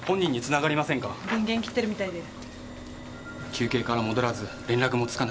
休憩から戻らず連絡もつかない。